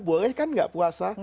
boleh kan tidak puasa